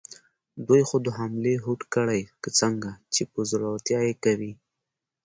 دوی خو د حملې هوډ کړی، که څنګه، چې په زړورتیا یې کوي؟